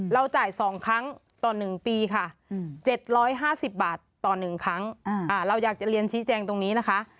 เราจ่าย๒ครั้งต่อ๑ปีค่ะ๗๕๐บาทต่อ๑ครั้งเราอยากจะเรียนชี้แจงตรงนี้นะคะ